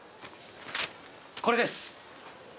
これです。